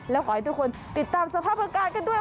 แล้วขอให้ทุกคนติดตามสภาพอากาศกันด้วย